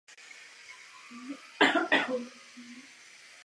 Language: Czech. Prezidentem byl José María Marcelo Molina Mata.